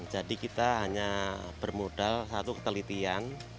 jadi kita hanya bermodal satu ketelitian